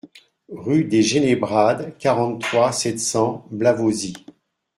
Rue des Genebrades, quarante-trois, sept cents Blavozy